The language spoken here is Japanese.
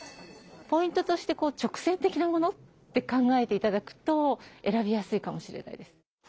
ポイントとして直線的なものって考えて頂くと選びやすいかもしれないです。